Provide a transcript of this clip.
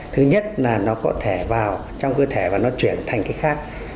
thứ nhất là nó có thể vào trong cơ thể và nó chuyển thành cái khác